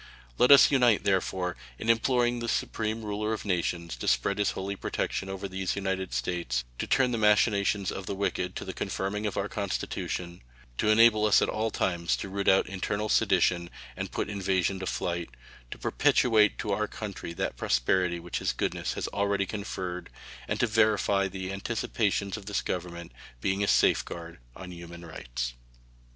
Let us unite, therefore, in imploring the Supreme Ruler of Nations to spread his holy protection over these United States; to turn the machinations of the wicked to the confirming of our Constitution; to enable us at all times to root out internal sedition and put invasion to flight; to perpetuate to our country that prosperity which his goodness has already conferred, and to verify the anticipations of this Government being a safeguard of human rights.